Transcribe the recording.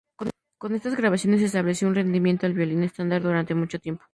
Con estas grabaciones estableció un rendimiento al violín estándar durante mucho tiempo.